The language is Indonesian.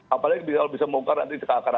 apalagi bisa bongkar nanti ke akar akarnya